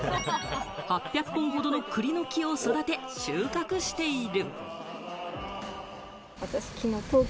８００本ほどの栗の木を育て、収穫している。